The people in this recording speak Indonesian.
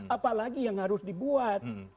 apalagi yang harus dibuat